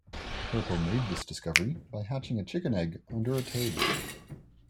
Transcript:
Herpo made this discovery by hatching a chicken egg under a toad.